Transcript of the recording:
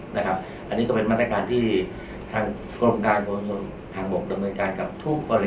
นะครับอันนี้ก็เป็นมาตรการที่ทางกรมการทางบกดำเนินการกับทุกคน